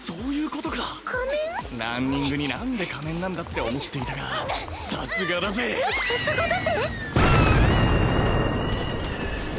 ランニングに何で仮面なんだって思っていたがさすがだぜさすがだぜ？